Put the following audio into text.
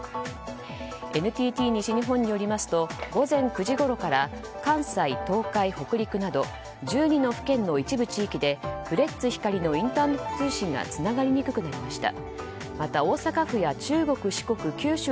ＮＴＴ西日本によりますと午前９時ごろから関西、東海、北陸など１２の府県の一部地域でフレッツ光のインターネット通信がつながりにくくなりました。